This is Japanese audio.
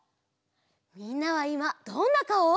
みんなはいまどんなかお？